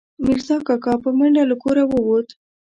میرزا کاکا، په منډه له کوره ووت